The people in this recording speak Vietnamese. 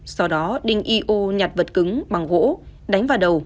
sau đó đinh iuu nhặt vật cứng bằng gỗ đánh vào đầu